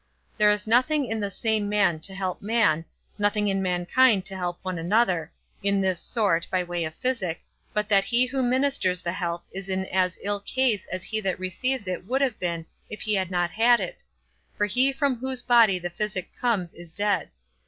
There is nothing in the same man to help man, nothing in mankind to help one another (in this sort, by way of physic), but that he who ministers the help is in as ill case as he that receives it would have been if he had not had it; for he from whose body the physic comes is dead.